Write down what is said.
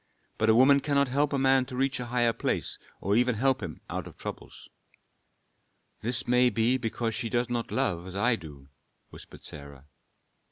But a woman cannot help a man to reach a higher place or even help him out of troubles." "This may be because she does not love as I do," whispered Sarah.